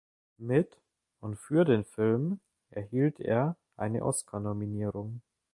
Mit und für den Film erhielt er eine Oscarnominierung.